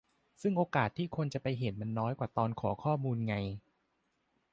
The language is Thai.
ซึ่งโอกาสที่คนจะไปเห็นมันน้อยกว่าตอนขอข้อมูลไง